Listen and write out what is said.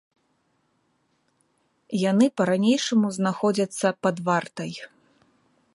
Яны па-ранейшаму знаходзяцца пад вартай.